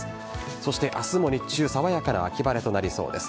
そして明日も日中爽やかな秋晴れとなりそうです。